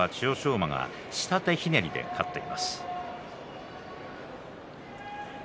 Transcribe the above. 馬が下手ひねりで勝っています。